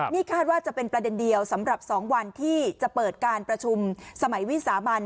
นี่คาดว่าจะเป็นประเด็นเดียวสำหรับ๒วันที่จะเปิดการประชุมสมัยวิสามัน